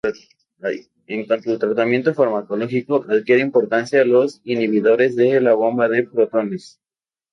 En cuanto al tratamiento farmacológico adquiere importancia los inhibidores de la bomba de protones.